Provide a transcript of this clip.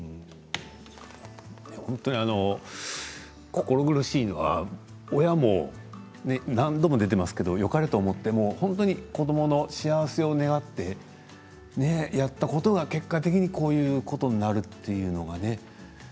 心苦しいのは親も何度も出ていますけどよかれと思っていても子どもの幸せを願ってやったことが結果的にこういうふうになってるということがね